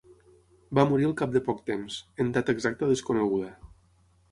Va morir al cap de poc temps, en data exacta desconeguda.